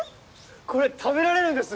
これ食べられるんです！